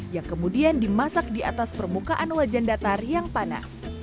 yang kemudian dimasak di atas permukaan wajan datar yang panas